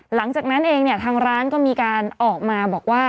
หลังจากนั้นเองเนี่ยทางร้านก็มีการออกมาบอกว่า